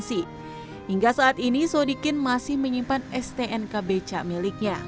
sehingga saat ini sodikin masih menyimpan stnk becak miliknya